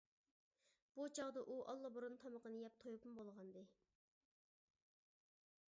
بۇ چاغدا ئۇ ئاللىبۇرۇن تامىقىنى يەپ تويۇپمۇ بولغانىدى.